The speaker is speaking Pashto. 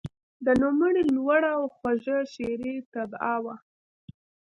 د نوموړي لوړه او خوږه شعري طبعه وه.